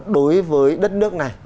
đối với đất nước này